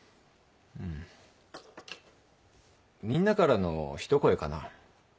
みんなからの一声かな。